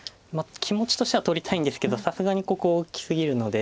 気持ちとしては取りたいんですけどさすがにここ大きすぎるので。